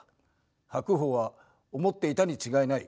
白鵬は思っていたに違いない。